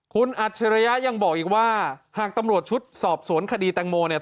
คุณอัจฉริยะยังบอกอีกว่าหากตำรวจชุดสอบสวนคดีแตงโมเนี่ย